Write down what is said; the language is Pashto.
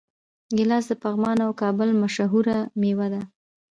ګیلاس د پغمان او کابل مشهوره میوه ده.